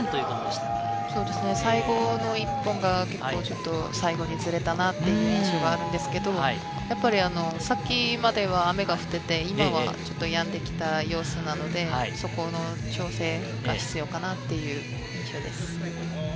最後の１本がちょっとズレたなという印象があるんですけど、さっきまでは雨が降ってて、今はちょっとやんできた様子なのでそこの調整が必要かなという印象です。